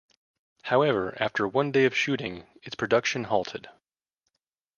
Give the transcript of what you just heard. However, after one day of shooting its production halted.